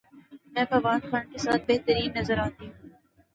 میں فواد خان کے ساتھ بہترین نظر اتی ہوں